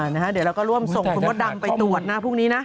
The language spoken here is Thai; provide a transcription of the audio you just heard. เดี๋ยวเราก็ร่วมส่งคุณมดดำไปตรวจนะพรุ่งนี้นะ